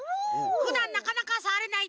ふだんなかなかさわれない